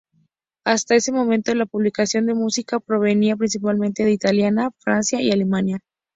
Hasta ese momento, la publicación de música provenía principalmente de Italia, Francia y Alemania.